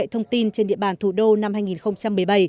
thông tin trên địa bàn thủ đô năm hai nghìn một mươi bảy